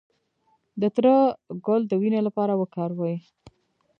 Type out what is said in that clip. د تره ګل د وینې لپاره وکاروئ